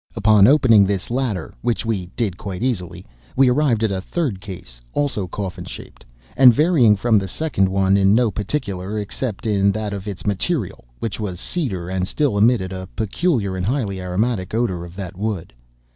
Upon opening this latter (which we did quite easily), we arrived at a third case, also coffin shaped, and varying from the second one in no particular, except in that of its material, which was cedar, and still emitted the peculiar and highly aromatic odor of that wood.